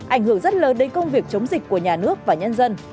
ảnh hưởng rất lớn đến công việc chống dịch của nhà nước và nhân dân